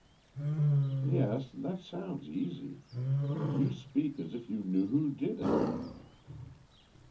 "Yes, that sounds easy. You speak as if you knew who did it."